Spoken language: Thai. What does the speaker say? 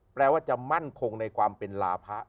แปลว่าจะมั่นคงในความเป็นลาพะ